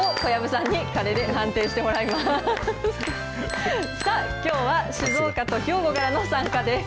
さあ、きょうは静岡と兵庫からの参加です。